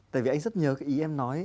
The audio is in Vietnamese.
tại vì anh rất nhớ cái ý em nói